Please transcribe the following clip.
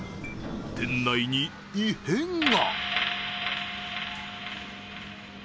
店内に異変が。